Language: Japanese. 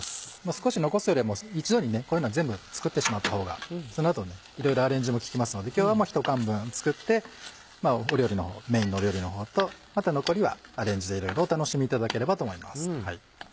少し残すよりは一度に全部作ってしまった方がその後いろいろアレンジも利きますので今日は１缶分作ってメインの料理の方とまた残りはアレンジでいろいろお楽しみいただければと思います。